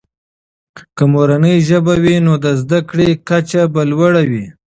که مورنۍ ژبه وي، نو د زده کړې کچه به لوړه وي.